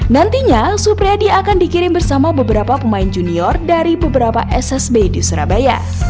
nantinya supriyadi akan dikirim bersama beberapa pemain junior dari beberapa ssb di surabaya